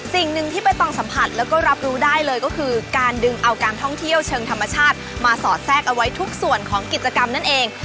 สิ่งหนึ่งที่ใบตองสัมผัสแล้วก็รับรู้ได้เลยก็คือการดึงเอาการท่องเที่ยวเชิงธรรมชาติมาสอดแทรกเอาไว้ทุกส่วนของกิจกรรมนั่นเอง